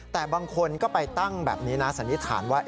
แต่บางคนก็ไปตั้งแบบนี้นะสันนิษฐานว่า